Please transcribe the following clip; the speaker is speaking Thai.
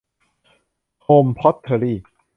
โฮม พอตเทอรี่